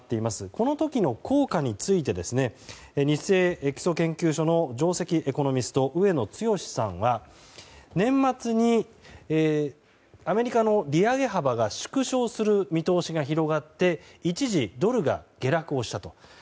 この時の効果についてニッセイ基礎研究所の上席エコノミスト上野剛志さんは年末にアメリカの利上げ幅が縮小する見通しが広がって一時、ドルが下落したと。